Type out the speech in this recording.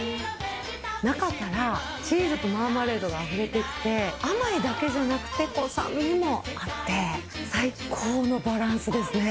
中からチーズとマーマレードがあふれてきて甘いだけじゃなくてこう酸味もあって最高のバランスですね。